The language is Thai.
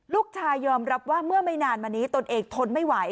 ยอมรับว่าเมื่อไม่นานมานี้ตนเองทนไม่ไหว